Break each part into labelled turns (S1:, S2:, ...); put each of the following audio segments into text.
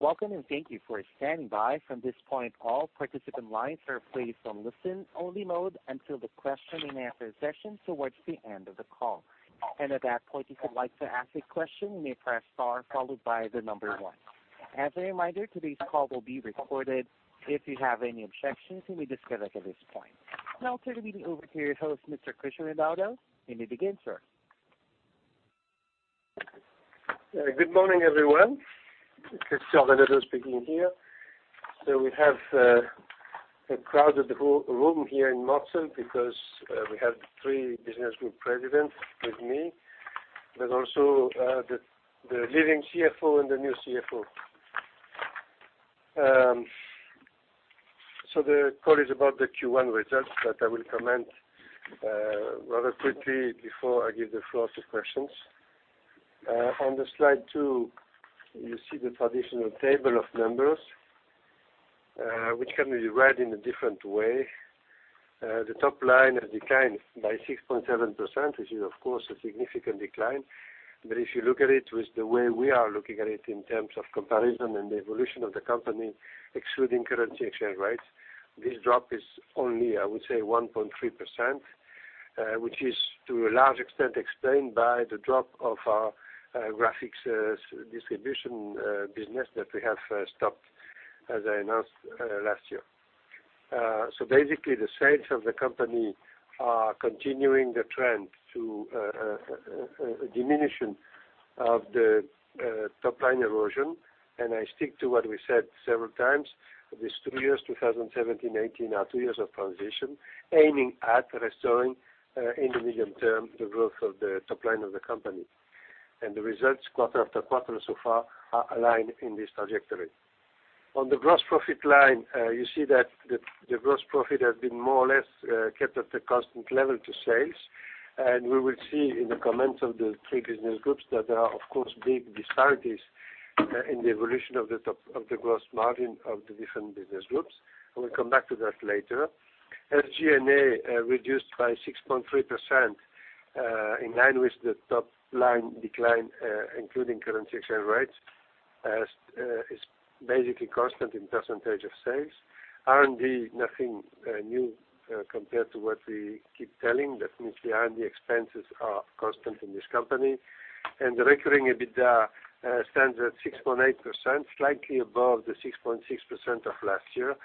S1: Welcome, thank you for standing by. From this point, all participant lines are placed on listen-only mode until the question-and-answer session towards the end of the call. At that point, if you would like to ask a question, you may press star followed by the number one. As a reminder, today's call will be recorded. If you have any objections, please disconnect at this point. I'll turn the meeting over to your host, Mr. Christian Reinaudo. You may begin, sir.
S2: Good morning, everyone. Christian Reinaudo speaking here. We have a crowded room here in Mortsel because we have three business group presidents with me, also the leaving CFO and the new CFO. The call is about the Q1 results that I will comment rather quickly before I give the floor to questions. On slide two, you see the traditional table of numbers, which can be read in a different way. The top line has declined by 6.7%, which is of course a significant decline. If you look at it with the way we are looking at it in terms of comparison and the evolution of the company, excluding currency exchange rates, this drop is only, I would say, 1.3%, which is to a large extent explained by the drop of our graphics distribution business that we have stopped, as I announced last year. Basically, the sales of the company are continuing the trend to a diminution of the top-line erosion. I stick to what we said several times. These two years, 2017, 2018, are two years of transition aiming at restoring, in the medium term, the growth of the top line of the company. The results, quarter after quarter so far, are aligned in this trajectory. On the gross profit line, you see that the gross profit has been more or less kept at a constant level to sales. We will see in the comments of the three business groups that there are, of course, big disparities in the evolution of the gross margin of the different business groups. I will come back to that later. SG&A reduced by 6.3%, in line with the top-line decline including currency exchange rates, is basically constant in percentage of sales. R&D, nothing new compared to what we keep telling. That means the R&D expenses are constant in this company. The recurring EBITDA stands at 6.8%, slightly above the 6.6% of last year,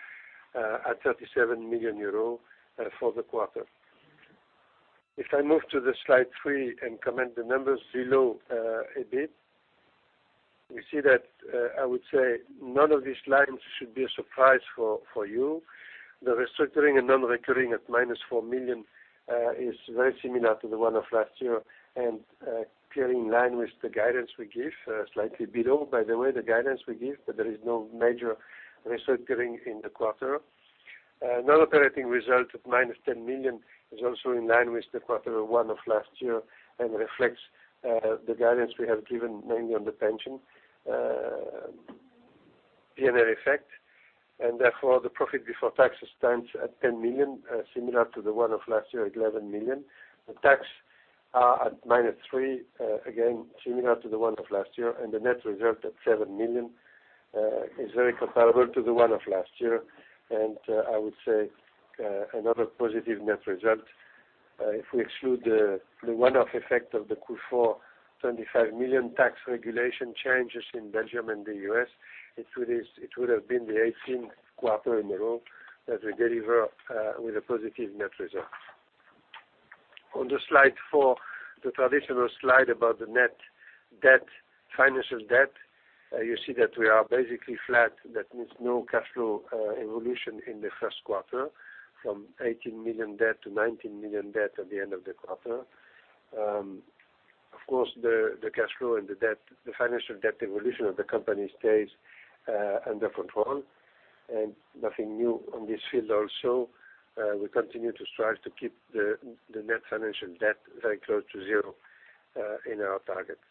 S2: at 37 million euro for the quarter. I move to slide three and comment the numbers below a bit, we see that, I would say, none of these lines should be a surprise for you. The restructuring and non-recurring at -4 million is very similar to the one of last year and clearly in line with the guidance we give, slightly below, by the way, the guidance we give, there is no major restructuring in the quarter. Non-operating result of -10 million is also in line with the quarter one of last year and reflects the guidance we have given mainly on the pension P&L effect. Therefore, the profit before tax stands at 10 million, similar to the one of last year at 11 million. The tax are at -3 million, again, similar to the one of last year, and the net result at 7 million is very comparable to the one of last year, and I would say another positive net result. If we exclude the one-off effect of the Q4 25 million tax regulation changes in Belgium and the U.S., it would have been the 18th quarter in a row that we deliver with a positive net result. On slide four, the traditional slide about the net financial debt, you see that we are basically flat. That means no cash flow evolution in the first quarter, from 18 million debt to 19 million debt at the end of the quarter. Of course, the cash flow and the financial debt evolution of the company stays under control. Nothing new on this field also. We continue to strive to keep the net financial debt very close to zero in our targets.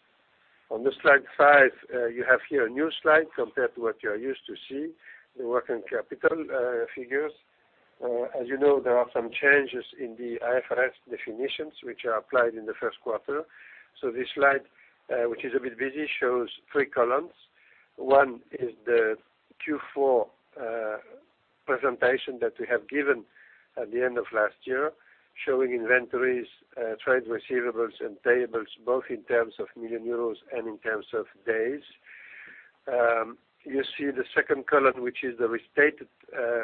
S2: On slide five, you have here a new slide compared to what you are used to seeing, the working capital figures. As you know, there are some changes in the IFRS definitions, which are applied in the first quarter. This slide, which is a bit busy, shows three columns. One is the Q4 presentation that we have given at the end of last year, showing inventories, trade receivables, and payables, both in terms of million EUR and in terms of days. You see the second column, which is the restated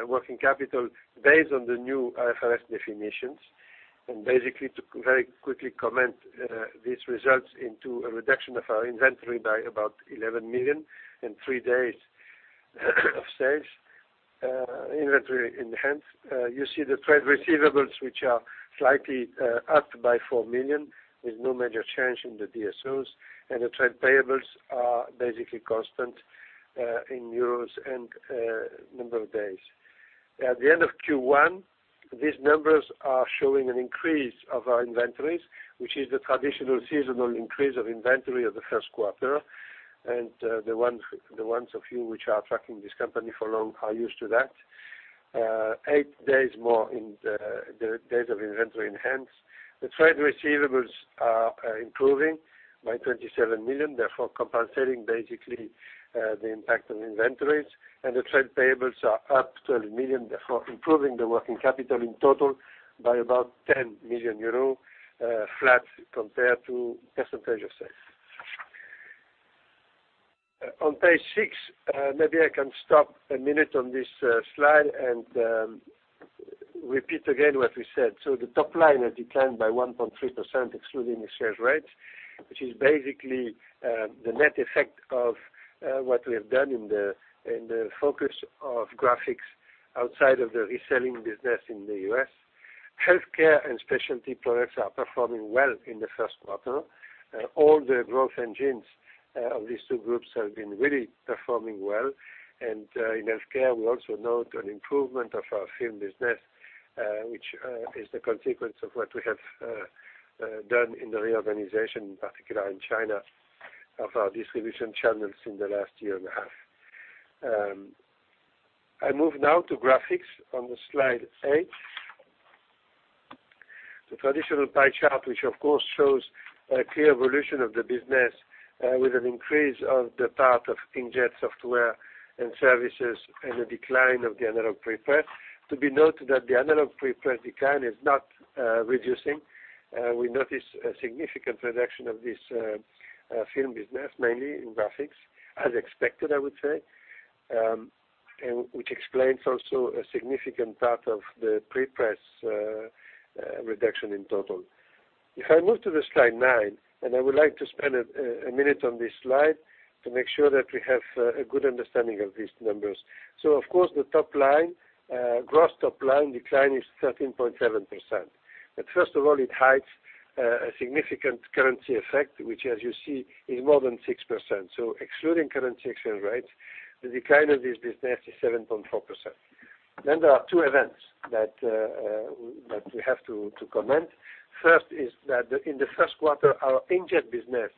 S2: working capital based on the new IFRS definitions. Basically, to very quickly comment these results into a reduction of our inventory by about 11 million and three days of sales inventory enhanced. You see the trade receivables, which are slightly up by 4 million with no major change in the DSOs, and the trade payables are basically constant in EUR and number of days. At the end of Q1, these numbers are showing an increase of our inventories, which is the traditional seasonal increase of inventory of the first quarter. The ones of you which are tracking this company for long are used to that. Eight days more in the days of inventory enhance. The trade receivables are improving by 27 million, therefore compensating basically the impact on inventories, and the trade payables are up 12 million, therefore improving the working capital in total by about 10 million euro, flat compared to percentage of sales. On page six, maybe I can stop a minute on this slide and repeat again what we said. The top line has declined by 1.3%, excluding the exchange rates, which is basically the net effect of what we have done in the focus of graphics outside of the reselling business in the U.S. HealthCare and specialty products are performing well in the first quarter. All the growth engines of these two groups have been really performing well. In HealthCare, we also note an improvement of our film business, which is the consequence of what we have done in the reorganization, in particular in China, of our distribution channels in the last year and a half. I move now to graphics on the slide eight. The traditional pie chart, which of course shows a clear evolution of the business with an increase of the part of inkjet, software and services, and a decline of the analog pre-press. To be noted that the analog pre-press decline is not reducing. We notice a significant reduction of this film business, mainly in graphics, as expected, I would say, and which explains also a significant part of the pre-press reduction in total. If I move to slide nine, I would like to spend a minute on this slide to make sure that we have a good understanding of these numbers. Of course, the top-line, gross top-line decline is 13.7%. First of all, it hides a significant currency effect, which, as you see, is more than 6%. Excluding currency exchange rates, the decline of this business is 7.4%. There are two events that we have to comment. First is that in the first quarter, our inkjet business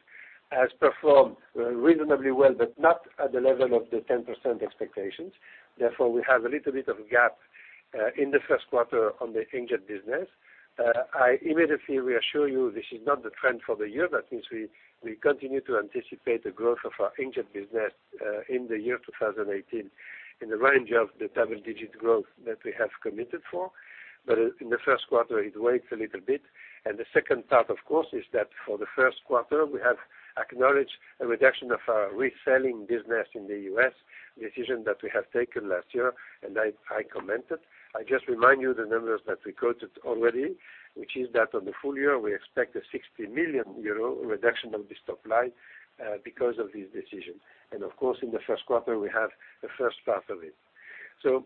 S2: has performed reasonably well but not at the level of the 10% expectations. Therefore, we have a little bit of a gap in the first quarter on the inkjet business. I immediately reassure you this is not the trend for the year. That means we continue to anticipate the growth of our inkjet business in the year 2018 in the range of the double-digit growth that we have committed for. In the first quarter, it waits a little bit. The second part, of course, is that for the first quarter, we have acknowledged a reduction of our reselling business in the U.S., decision that we have taken last year, and I commented. I just remind you the numbers that we quoted already, which is that on the full year, we expect a 60 million euro reduction of this top-line because of this decision. Of course, in the first quarter, we have the first part of it.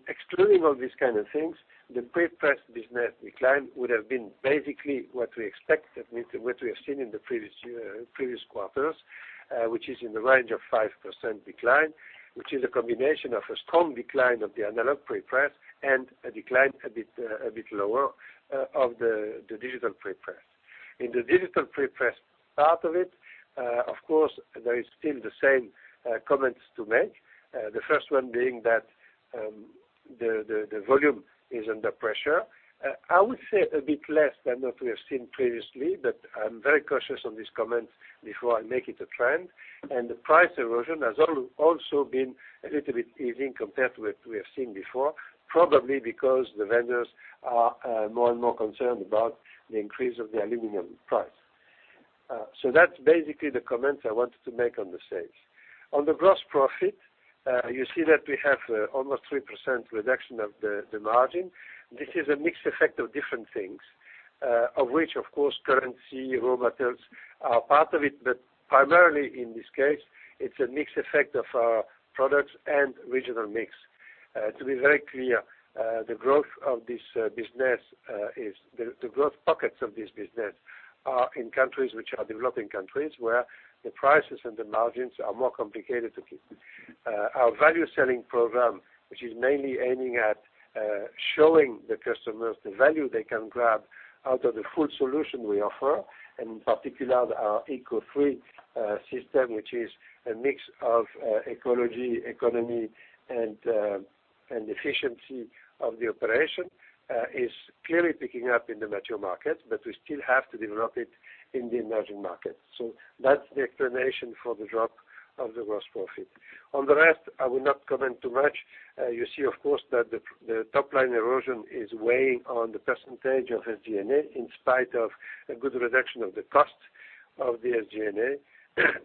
S2: Excluding all these kind of things, the pre-press business decline would have been basically what we expected, means what we have seen in the previous quarters, which is in the range of 5% decline, which is a combination of a strong decline of the analog pre-press and a decline a bit lower of the digital pre-press. In the digital pre-press part of it, of course, there is still the same comments to make. The first one being that the volume is under pressure. I would say a bit less than what we have seen previously, but I'm very cautious on this comment before I make it a trend. The price erosion has also been a little bit easing compared to what we have seen before, probably because the vendors are more and more concerned about the increase of the aluminum price. That's basically the comments I wanted to make on the sales. On the gross profit, you see that we have almost 3% reduction of the margin. This is a mixed effect of different things, of which, of course, currency, raw materials are part of it. Primarily in this case, it's a mixed effect of our products and regional mix. To be very clear, the growth pockets of this business are in countries which are developing countries, where the prices and the margins are more complicated to keep. Our value selling program, which is mainly aiming at showing the customers the value they can grab out of the full solution we offer, and in particular our ECO3 system, which is a mix of ecology, economy, and efficiency of the operation, is clearly picking up in the mature market, but we still have to develop it in the emerging markets. That's the explanation for the drop of the gross profit. On the rest, I will not comment too much. You see, of course, that the top-line erosion is weighing on the percentage of SG&A, in spite of a good reduction of the cost of the SG&A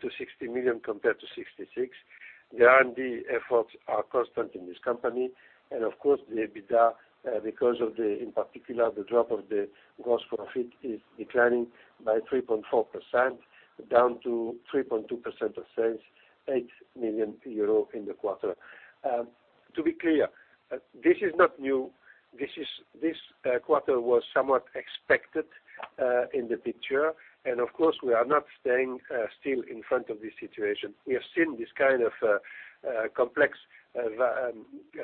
S2: to 60 million compared to 66 million. R&D efforts are constant in this company, and of course, the EBITDA, because of the, in particular, the drop of the gross profit is declining by 3.4%, down to 3.2% of sales, 8 million euro in the quarter. To be clear, this is not new. This quarter was somewhat expected in the picture. Of course, we are not staying still in front of this situation. We have seen this kind of complex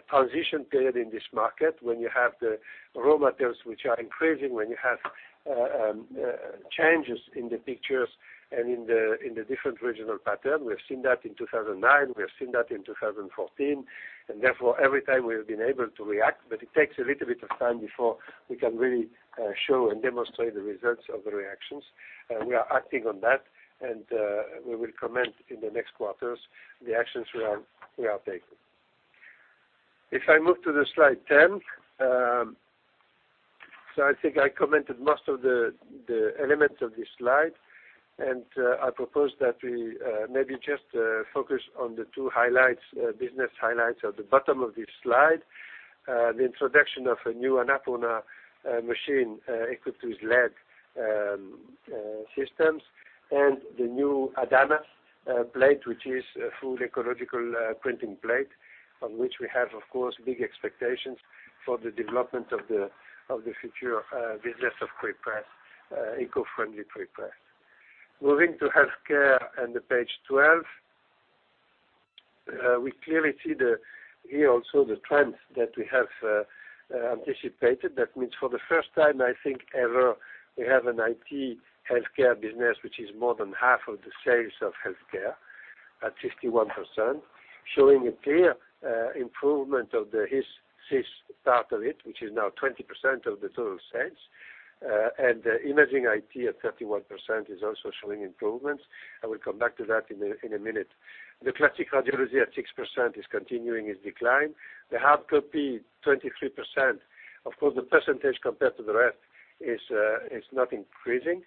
S2: transition period in this market when you have the raw materials which are increasing, when you have changes in the pictures and in the different regional pattern. We have seen that in 2009, we have seen that in 2014, and therefore, every time we have been able to react, but it takes a little bit of time before we can really show and demonstrate the results of the reactions. We are acting on that, and we will comment in the next quarters the actions we are taking. If I move to slide 10. I think I commented most of the elements of this slide, and I propose that we maybe just focus on the two business highlights at the bottom of this slide. The introduction of a new Anapurna machine equipped with LED systems and the new Adamas plate, which is a full ecological printing plate on which we have, of course, big expectations for the development of the future business of eco-friendly prepress. Moving to HealthCare on page 12. We clearly see here also the trends that we have anticipated. That means for the first time, I think ever, we have an IT HealthCare business, which is more than half of the sales of HealthCare at 51%, showing a clear improvement of the HIS/CIS part of it, which is now 20% of the total sales. The imaging IT at 31% is also showing improvements. I will come back to that in a minute. The classic radiology at 6% is continuing its decline. The hardcopy 23%. Of course, the percentage compared to the rest is not increasing.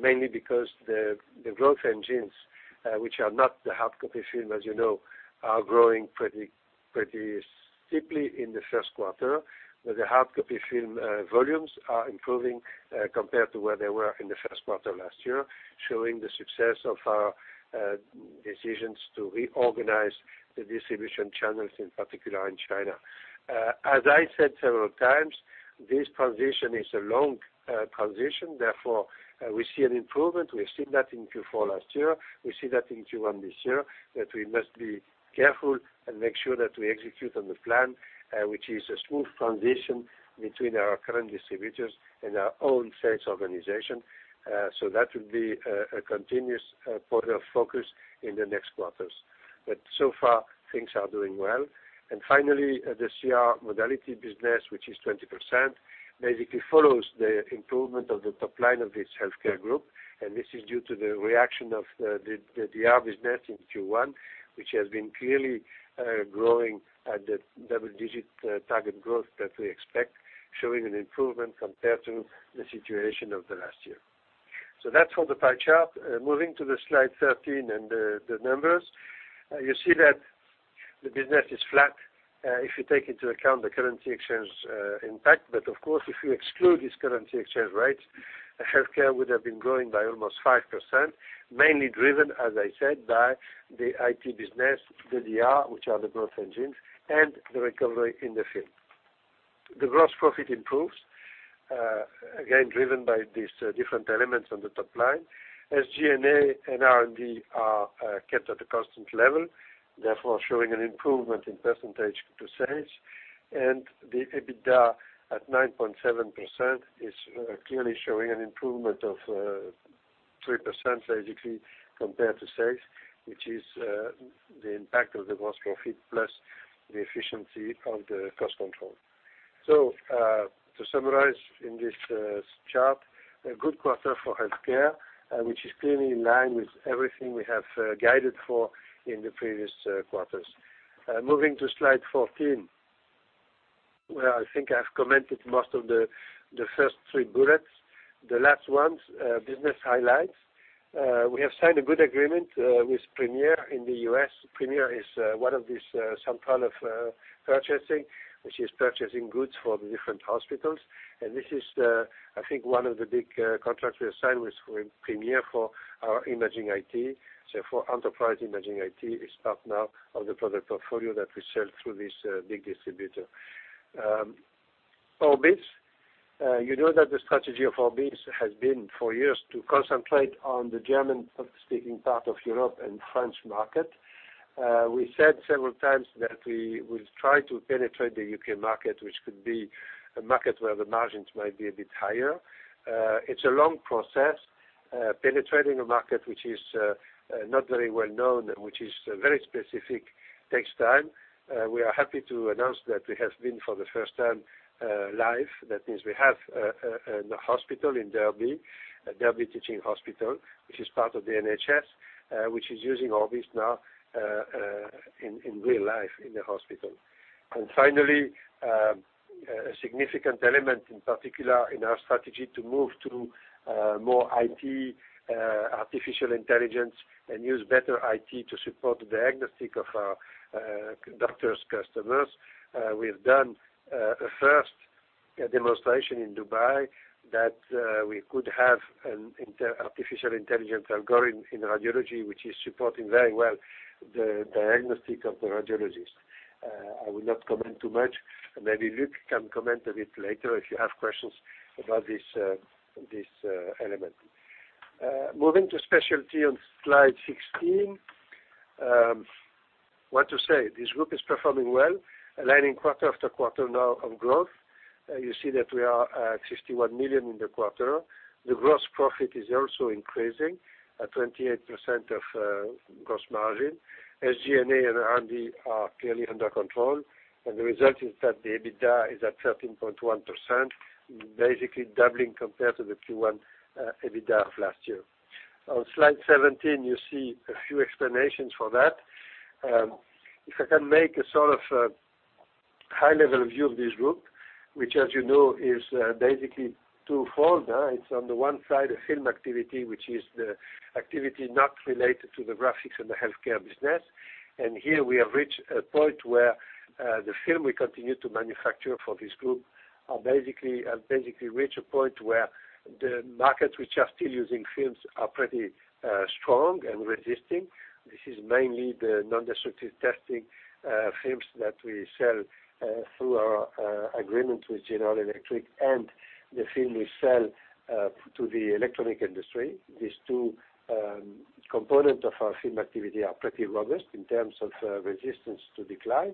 S2: Mainly because the growth engines, which are not the hardcopy film, as you know, are growing pretty steeply in the first quarter. The hardcopy film volumes are improving, compared to where they were in the first quarter last year, showing the success of our decisions to reorganize the distribution channels, in particular in China. As I said several times, this transition is a long transition, therefore, we see an improvement. We have seen that in Q4 last year. We see that in Q1 this year, that we must be careful and make sure that we execute on the plan, which is a smooth transition between our current distributors and our own sales organization. That would be a continuous point of focus in the next quarters. So far, things are doing well. Finally, the CR modality business, which is 20%, basically follows the improvement of the top line of this HealthCare group. This is due to the reaction of the DR business in Q1, which has been clearly growing at the double-digit target growth that we expect, showing an improvement compared to the situation of the last year. That's for the pie chart. Moving to slide 13 and the numbers. You see that the business is flat, if you take into account the currency exchange impact. Of course, if you exclude these currency exchange rates, HealthCare would have been growing by almost 5%, mainly driven, as I said, by the IT business, the DR, which are the growth engines, and the recovery in the field. The gross profit improves. Again, driven by these different elements on the top line. SG&A and R&D are kept at a constant level, therefore showing an improvement in percentage to sales. The EBITDA at 9.7% is clearly showing an improvement of 3% basically compared to sales, which is the impact of the gross profit plus the efficiency of the cost control. To summarize in this chart, a good quarter for HealthCare, which is clearly in line with everything we have guided for in the previous quarters. Moving to slide 14, where I think I've commented most of the first three bullets. The last ones, business highlights. We have signed a good agreement with Premier in the U.S. Premier is one of these central of purchasing, which is purchasing goods for the different hospitals. This is, I think, one of the big contracts we signed with Premier for our imaging IT. For Enterprise Imaging IT, is part now of the product portfolio that we sell through this big distributor. ORBIS. You know that the strategy of ORBIS has been for years to concentrate on the German-speaking part of Europe and French market. We said several times that we will try to penetrate the U.K. market, which could be a market where the margins might be a bit higher. It's a long process. Penetrating a market which is not very well-known and which is very specific, takes time. We are happy to announce that we have been for the first time live. That means we have a hospital in Derby Teaching Hospital, which is part of the NHS, which is using ORBIS now in real life in the hospital. Finally, a significant element in particular in our strategy to move to more IT, artificial intelligence, and use better IT to support the diagnostic of our doctors customers. We've done a first demonstration in Dubai that we could have an artificial intelligence algorithm in radiology which is supporting very well the diagnostic of the radiologist. I will not comment too much. Maybe Luc can comment a bit later if you have questions about this element. Moving to Specialty on slide 16. What to say? This group is performing well. Aligning quarter after quarter now of growth. You see that we are at 61 million in the quarter. The gross profit is also increasing at 28% of gross margin. SG&A and R&D are clearly under control. The result is that the EBITDA is at 13.1%, basically doubling compared to the Q1 EBITDA of last year. On slide 17, you see a few explanations for that. If I can make a high-level view of this group, which as you know, is basically two-fold. It is on the one side, a film activity, which is the activity not related to the graphics and the HealthCare business. Here, we have reached a point where the film we continue to manufacture for this group has basically reached a point where the markets which are still using films are pretty strong and resisting. This is mainly the non-destructive testing films that we sell through our agreement with General Electric and the film we sell to the electronic industry. These two components of our film activity are pretty robust in terms of resistance to decline.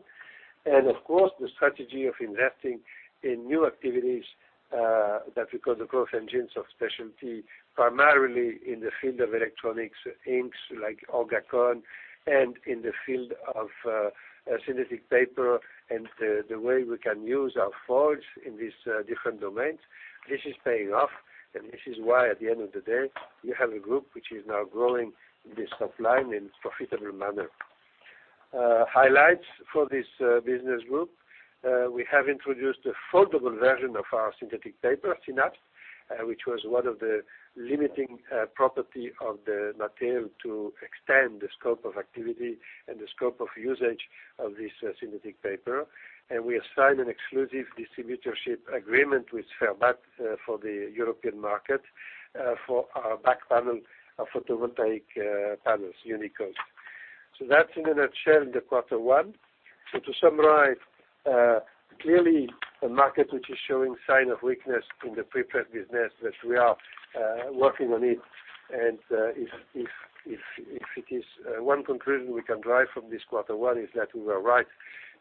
S2: Of course, the strategy of investing in new activities that we call the growth engines of specialty, primarily in the field of electronics inks, like Orgacon, and in the field of synthetic paper and the way we can use our foils in these different domains. This is paying off, and this is why at the end of the day, we have a group which is now growing this top line in profitable manner. Highlights for this business group. We have introduced a foldable version of our synthetic paper, SYNAPS, which was one of the limiting property of the material to extend the scope of activity and the scope of usage of this synthetic paper. We assigned an exclusive distributorship agreement with Vervent for the European market for our back panel of photovoltaic panels, UNIQOAT. That is in a nutshell the quarter one. To summarize, clearly a market which is showing sign of weakness in the prepress business, but we are working on it, and if it is one conclusion we can drive from this quarter one is that we were right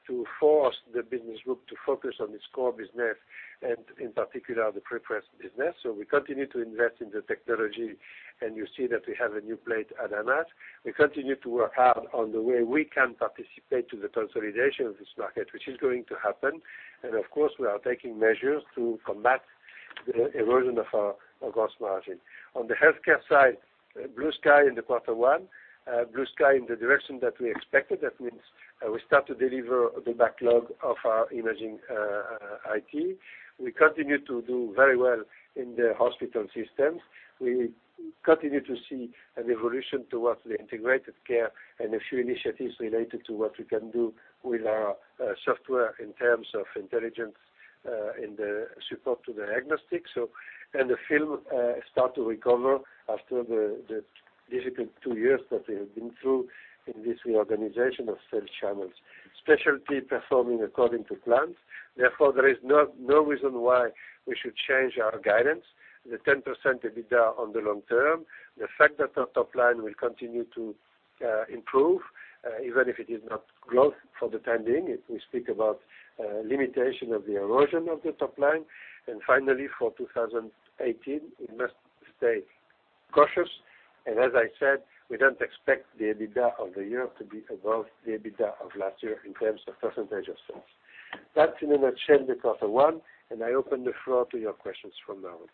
S2: to force the business group to focus on its core business and in particular the prepress business. We continue to invest in the technology, and you see that we have a new plate at Adamas. We continue to work hard on the way we can participate to the consolidation of this market, which is going to happen. Of course, we are taking measures to combat the erosion of our gross margin. On the HealthCare side, blue sky in the quarter one. Blue sky in the direction that we expected. That means we start to deliver the backlog of our Imaging IT. We continue to do very well in the hospital systems. We continue to see an evolution towards the integrated care and a few initiatives related to what we can do with our software in terms of intelligence in the support to diagnostics. The film start to recover after the difficult two years that we have been through in this reorganization of sales channels. Specialty performing according to plans, therefore, there is no reason why we should change our guidance. The 10% EBITDA on the long term. The fact that our top line will continue to improve, even if it is not growth for the time being, if we speak about limitation of the erosion of the top line. Finally, for 2018, we must stay cautious. As I said, we don't expect the EBITDA of the year to be above the EBITDA of last year in terms of percentage of sales. That's in a nutshell the quarter one, I open the floor to your questions from now on.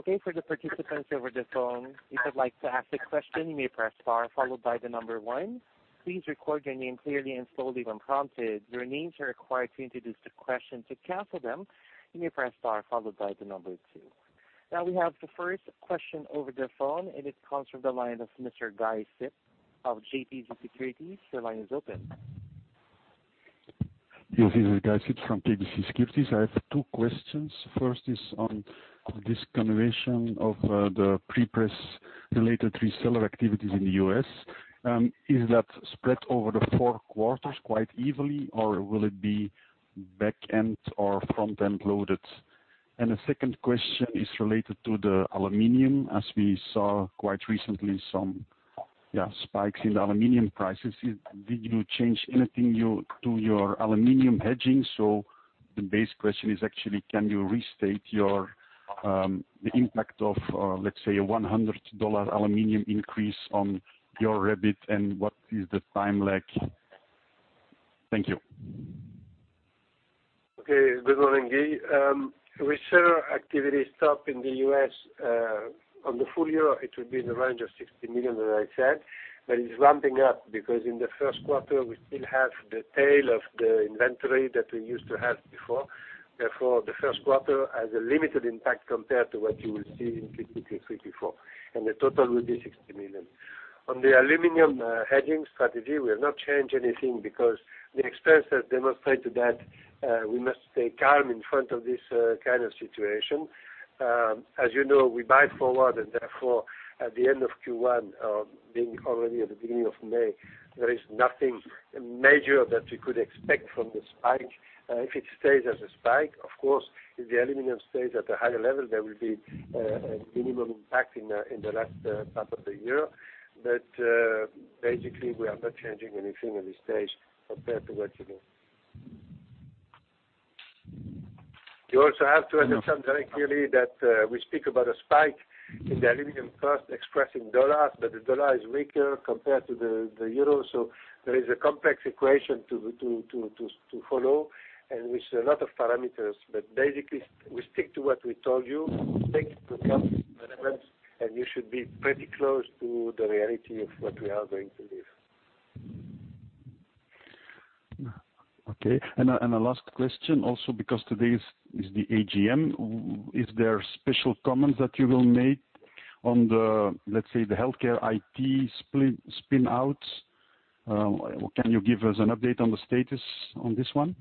S1: Okay, for the participants over the phone, if you'd like to ask a question, you may press star followed by the number 1. Please record your name clearly and slowly when prompted. Your names are required to introduce the question. To cancel them, you may press star followed by the number 2. Now we have the first question over the phone, it comes from the line of Mr. Guy Sips of KBC Securities. Your line is open.
S3: Yes, this is Guy Sips from KBC Securities. I have two questions. First is on this continuation of the prepress related reseller activities in the U.S. Is that spread over the four quarters quite evenly, or will it be back end or front end loaded? The second question is related to the aluminum. We saw quite recently, some spikes in the aluminum prices. Did you change anything to your aluminum hedging? The base question is actually can you restate the impact of, let's say, a EUR 100 aluminum increase on your EBIT, what is the time lag? Thank you.
S2: Okay. Good morning, Guy. Reseller activity stop in the U.S. On the full year, it will be in the range of 60 million, as I said, but it's ramping up because in the first quarter, we still have the tail of the inventory that we used to have before. Therefore, the first quarter has a limited impact compared to what you will see in Q3, Q4. The total will be 60 million. On the aluminum hedging strategy, we have not changed anything because the experience has demonstrated that we must stay calm in front of this kind of situation. You know, we buy forward and therefore at the end of Q1, being already at the beginning of May, there is nothing major that we could expect from the spike. If it stays as a spike, of course, if the aluminum stays at a higher level, there will be a minimum impact in the last half of the year. Basically, we are not changing anything at this stage compared to what you know. You also have to understand very clearly that we speak about a spike in the aluminum cost expressed in dollars, but the dollar is weaker compared to the euro. There is a complex equation to follow with a lot of parameters. Basically, we stick to what we told you. Take into account the difference, you should be pretty close to the reality of what we are going to live.
S3: Okay. A last question also because today is the AGM. Is there special comments that you will make on the, let's say, the HealthCare IT spin-outs? Can you give us an update on the status on this one?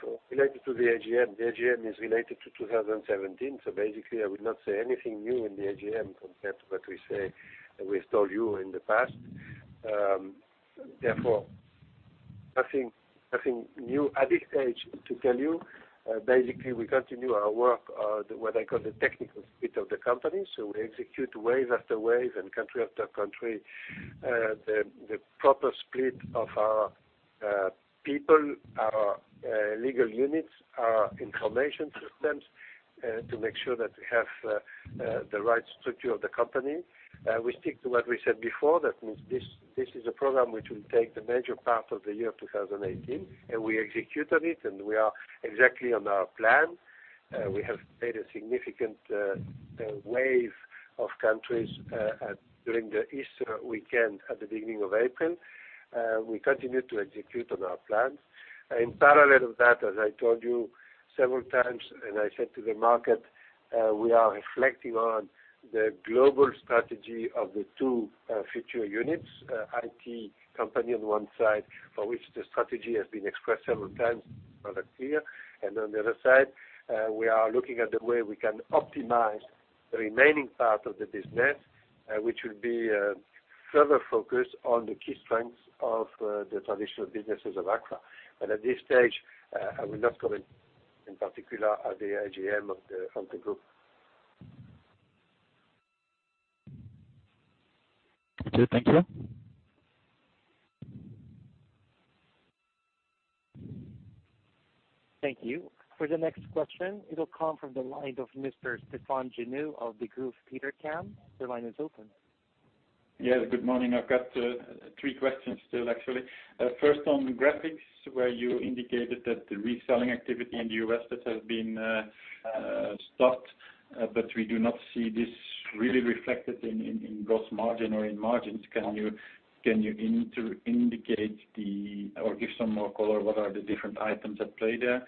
S2: Sure. Related to the AGM. The AGM is related to 2017. Basically, I will not say anything new in the AGM compared to what we've told you in the past. Therefore, nothing new at this stage to tell you. Basically, we continue our work, what I call the technical bit of the company. We execute wave after wave and country after country, the proper split of our people, our legal units, our information systems, to make sure that we have the right structure of the company. We stick to what we said before. That means this is a program which will take the major part of the year 2018, and we execute on it, we are exactly on our plan. We have made a significant wave of countries, during the Easter weekend at the beginning of April. We continue to execute on our plans. In parallel with that, as I told you several times, and I said to the market, we are reflecting on the global strategy of the two future units. IT company on one side, for which the strategy has been expressed several times, product here. On the other side, we are looking at the way we can optimize the remaining part of the business, which will be further focused on the key strengths of the traditional businesses of Agfa. At this stage, I will not comment in particular at the AGM of the group.
S3: Okay. Thank you.
S1: Thank you. The next question will come from the line of Mr. Stefaan Genoe of Degroof Petercam. Your line is open.
S4: Yes, good morning. I've got three questions still, actually. First, on Graphics, where you indicated that the reselling activity in the U.S. that has been stopped, we do not see this really reflected in gross margin or in margins. Can you indicate the or give some more color what are the different items at play there?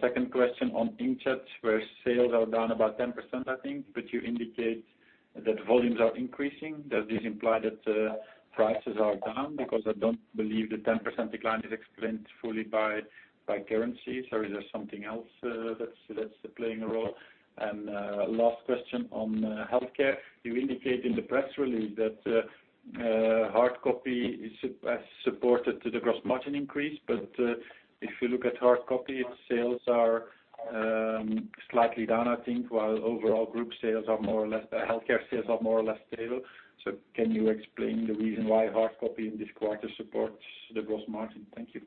S4: Second question on Inkjet, where sales are down about 10%, I think. You indicate that volumes are increasing. Does this imply that prices are down? I don't believe the 10% decline is explained fully by currency. Is there something else that's playing a role? Last question on HealthCare. You indicate in the press release that hard copy has supported to the gross margin increase. If you look at hard copy, its sales are slightly down, I think, while Healthcare sales are more or less stable. Can you explain the reason why hard copy in this quarter supports the gross margin? Thank you.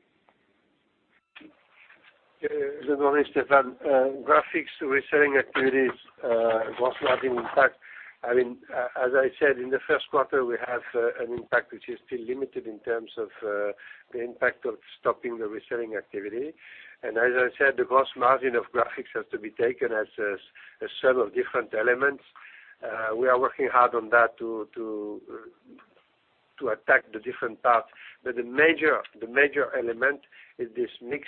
S2: Good morning, Stefaan. ECO3 reselling activities, gross margin impact. As I said, in the first quarter, we have an impact, which is still limited in terms of the impact of stopping the reselling activity. As I said, the gross margin of ECO3 has to be taken as a sum of different elements. We are working hard on that to attack the different parts. The major element is this mix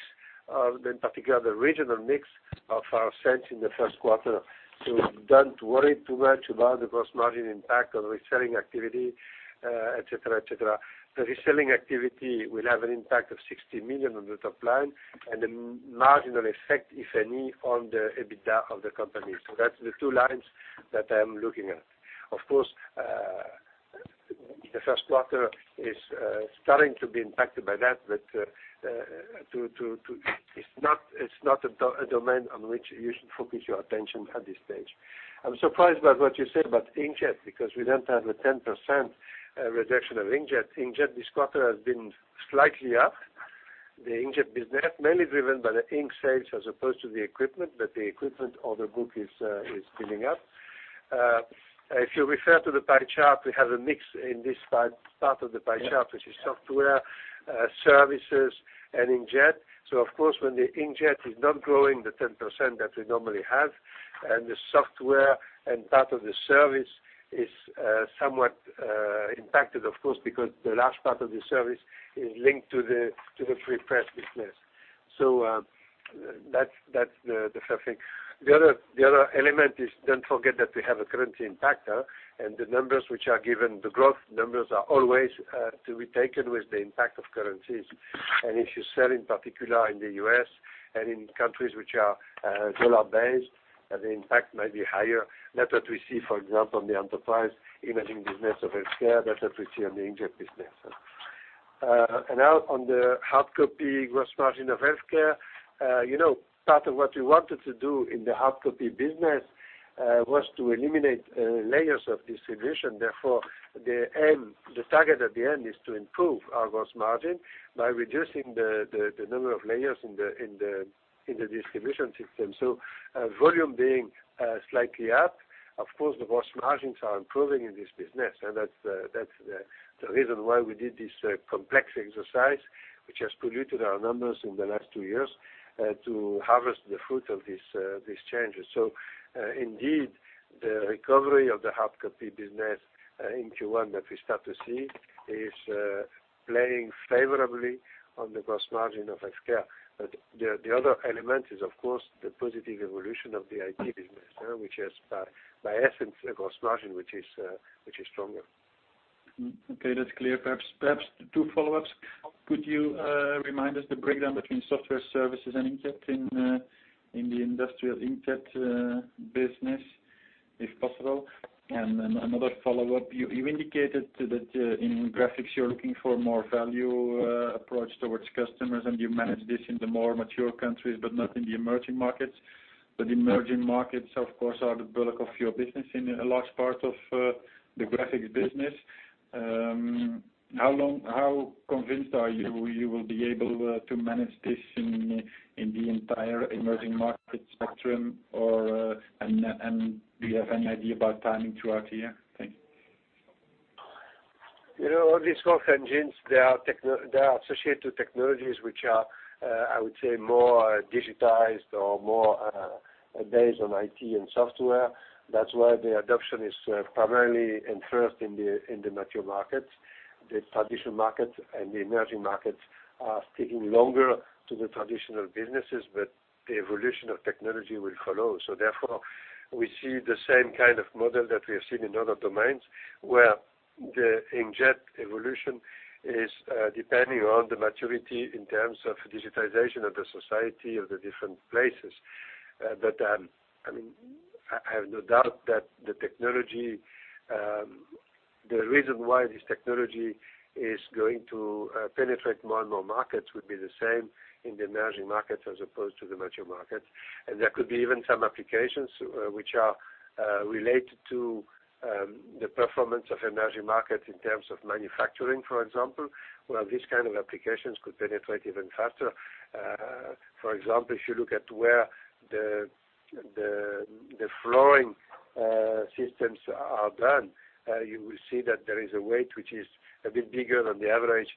S2: of, in particular, the regional mix of our sales in the first quarter. Don't worry too much about the gross margin impact on reselling activity, et cetera. The reselling activity will have an impact of 60 million on the top line and a marginal effect, if any, on the EBITDA of the company. That's the two lines that I'm looking at. Of course, the first quarter is starting to be impacted by that, it's not a domain on which you should focus your attention at this stage. I'm surprised by what you said about Inkjet because we don't have a 10% reduction of Inkjet. Inkjet this quarter has been slightly up. The Inkjet business, mainly driven by the ink sales as opposed to the equipment, but the equipment order book is filling up. If you refer to the pie chart, we have a mix in this part of the pie chart, which is software, services, and Inkjet. Of course, when the Inkjet is not growing the 10% that we normally have, and the software and part of the service is somewhat impacted, of course, because the last part of the service is linked to the prepress business. That's the first thing. The other element is don't forget that we have a currency impact now, the numbers which are given, the growth numbers, are always to be taken with the impact of currencies. If you sell in particular in the U.S. and in countries which are dollar-based, the impact might be higher. That's what we see, for example, in the Enterprise Imaging business of HealthCare. That's what we see on the Inkjet business. Now on the hard copy gross margin of HealthCare. Part of what we wanted to do in the hard copy business, was to eliminate layers of distribution. The target at the end is to improve our gross margin by reducing the number of layers in the distribution system. Volume being slightly up. Of course, the gross margins are improving in this business, that's the reason why we did this complex exercise, which has polluted our numbers in the last two years, to harvest the fruit of these changes. Indeed, the recovery of the hard copy business in Q1 that we start to see is playing favorably on the gross margin of HealthCare. The other element is, of course, the positive evolution of the IT business, which has, by essence, a gross margin which is stronger.
S4: Okay, that's clear. Perhaps two follow-ups. Could you remind us the breakdown between software services and inkjet in the industrial inkjet business, if possible? Another follow-up. You indicated that in Graphics, you're looking for more value approach towards customers, and you manage this in the more mature countries, but not in the emerging markets. Emerging markets, of course, are the bulk of your business in a large part of the Graphics business. How convinced are you will be able to manage this in the entire emerging market spectrum, and do you have any idea about timing throughout the year? Thank you.
S2: All these growth engines, they are associated to technologies which are, I would say, more digitized or more based on IT and software. That's why the adoption is primarily and first in the mature markets. The traditional markets and the emerging markets are taking longer to the traditional businesses, but the evolution of technology will follow. Therefore, we see the same kind of model that we have seen in other domains, where the inkjet evolution is depending on the maturity in terms of digitization of the society, of the different places. I have no doubt that the reason why this technology is going to penetrate more and more markets would be the same in the emerging markets as opposed to the mature markets. There could be even some applications which are related to the performance of emerging markets in terms of manufacturing, for example, where this kind of applications could penetrate even faster. For example, if you look at where the flooring systems are done, you will see that there is a weight which is a bit bigger than the average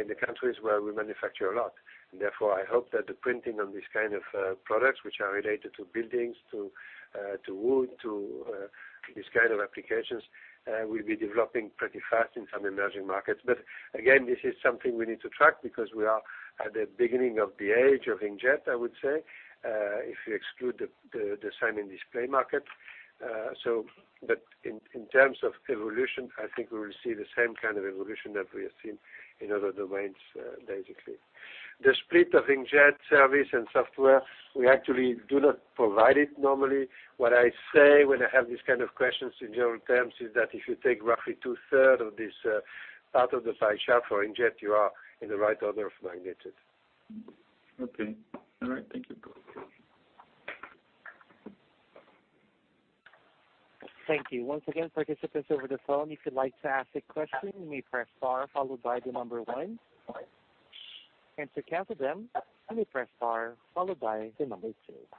S2: in the countries where we manufacture a lot. Therefore, I hope that the printing on this kind of products, which are related to buildings, to wood, to these kind of applications, will be developing pretty fast in some emerging markets. Again, this is something we need to track because we are at the beginning of the age of inkjet, I would say, if you exclude the sign and display market. In terms of evolution, I think we will see the same kind of evolution that we have seen in other domains, basically. The split of inkjet service and software, we actually do not provide it normally. What I say when I have these kind of questions in general terms is that if you take roughly two third of this part of the pie chart for inkjet, you are in the right order of magnitude.
S4: Okay. All right. Thank you.
S1: Thank you. Once again, participants over the phone, if you'd like to ask a question, you may press star followed by the number 1. To cancel them, let me press star followed by the number 2. Okay, sir,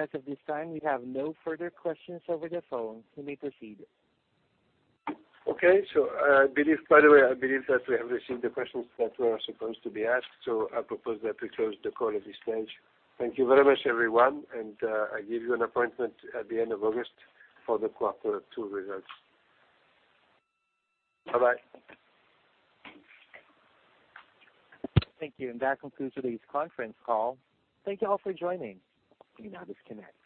S1: as of this time, we have no further questions over the phone. You may proceed.
S2: Okay. By the way, I believe that we have received the questions that were supposed to be asked. I propose that we close the call at this stage. Thank you very much, everyone, and I give you an appointment at the end of August for the quarter 2 results. Bye-bye.
S1: Thank you. That concludes today's conference call. Thank you all for joining. You may now disconnect.